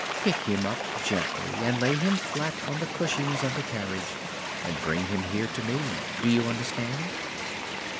Pick him up gently and lay him flat on the cushions of the carriage and bring him here to me. Do you understand?"